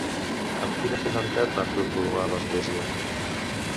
Amb quina finalitat van dur-lo a l'església?